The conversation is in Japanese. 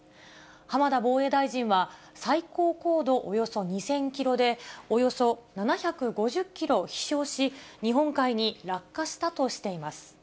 浜田防衛大臣は、最高高度およそ２０００キロで、およそ７５０キロ飛しょうし、日本海に落下したとしています。